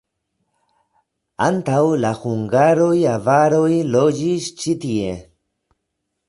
Antaŭ la hungaroj avaroj loĝis ĉi tie.